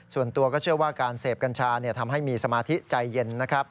ส่วนตัวก็เชื่อว่าการเสพกัญชาทำให้มีสมาธิใจเย็นนะครับ